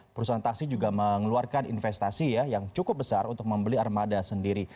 perusahaan taksi juga mengeluarkan investasi yang cukup besar untuk membeli armada sendiri